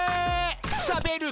「しゃべる